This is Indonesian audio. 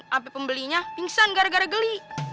tapi pembelinya pingsan gara gara geli